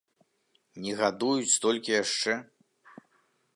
Не гадуюць столькі яшчэ.